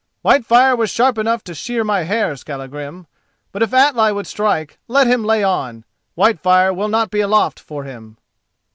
"Whitefire was sharp enough to shear my hair, Skallagrim; but if Atli would strike let him lay on. Whitefire will not be aloft for him."